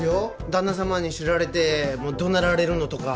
旦那様に知られてもうどなられるのとか。